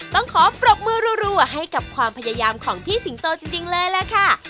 ต้องขอปรบมือรัวให้กับความพยายามของพี่สิงโตจริงเลยล่ะค่ะ